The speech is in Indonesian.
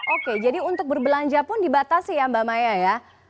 oke jadi untuk berbelanja pun dibatasi ya mbak maya ya